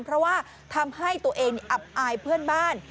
เพราะว่าทำให้ตัวเองอับอายเพื่อนบ้าน